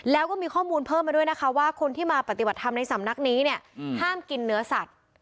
แล้วก็มีข้อมูลเพิ่มมาด้วยนะคะว่าคนที่มาปฏิบัติธรรมในสำนักนี้เนี่ยห้ามกินเนื้อสัตว์